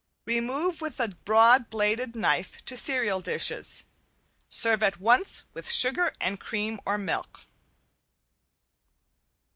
Remove with a broad bladed knife to cereal dishes. Serve at once with sugar and cream or milk.